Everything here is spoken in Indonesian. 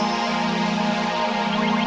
udah gak ngambek lagi kan